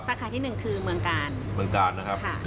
สาขาที่หนึ่งคือเมืองกาลเมืองกาลนะครับค่ะ